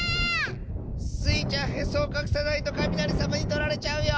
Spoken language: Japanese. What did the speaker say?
スイちゃんへそをかくさないとかみなりさまにとられちゃうよ！